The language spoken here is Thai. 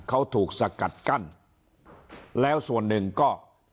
เขาถูกสกัดกั้นแล้วส่วนหนึ่งก็